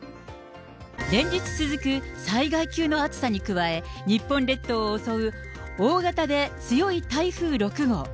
連日続く災害級の暑さに加え、日本列島を襲う大型で強い台風６号。